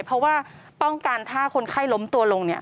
เพราะว่าป้องกันถ้าคนไข้ล้มตัวลงเนี่ย